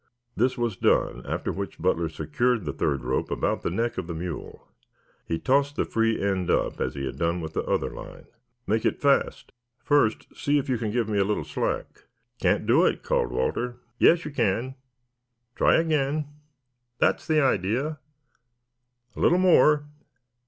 This was done, after which Butler secured the third rope about the neck of the mule. He tossed the free end up as he had done with the other line. "Make it fast. First see if you can't give me a little slack." "Can't do it," called Walter. "Yes you can. Try again. That's the idea. A little more.